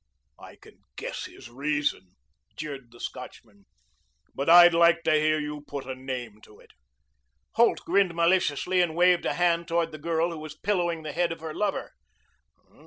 "I can guess his reason," jeered the Scotchman. "But I'd like to hear you put a name to it." Holt grinned maliciously and waved a hand toward the girl who was pillowing the head of her lover.